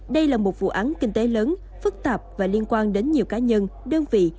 đây là một vụ án kinh tế lớn phức tạp và liên quan đến nhiều cá nhân đơn vị